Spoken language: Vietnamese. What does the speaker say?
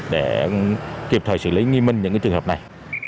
để kịp thời xử lý nghiêm minh những trường hợp này